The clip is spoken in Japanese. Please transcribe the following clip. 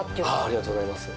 ありがとうございます。